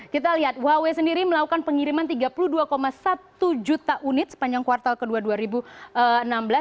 kita lihat huawei sendiri melakukan pengiriman tiga puluh dua satu juta unit sepanjang kuartal ke dua dua ribu enam belas